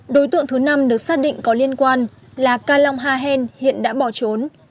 đối tượng thứ năm được xác định có liên quan là ca long ha hen hiện đã bỏ trốn